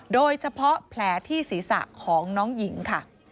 โดยเฉพาะแผลที่ศีรษะของน้องหญิงค่ะ